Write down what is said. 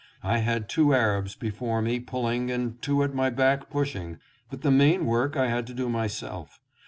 I had two Arabs before me pulling, and two at my back pushing, but the main work I had to do myself.